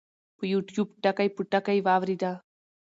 پۀ يو ټيوب ټکے پۀ ټکے واورېده -